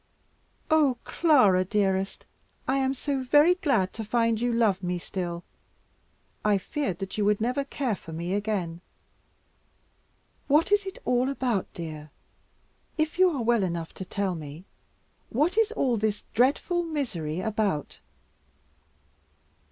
"Oh, Clara dearest, I am so very glad to find you love me still. I feared that you would never care for me again. What is it all about, dear, if you are well enough to tell me, what is all this dreadful misery about?"